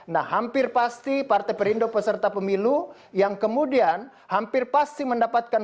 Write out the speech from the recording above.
nah hampir pasti partai perindo peserta pemilu yang kemudian hampir pasti mendapatkan